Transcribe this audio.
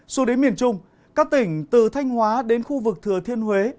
xuống đến miền trung các tỉnh từ thanh hóa đến khu vực thừa thiên huế